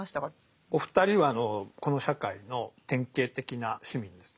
お二人はこの社会の典型的な市民です。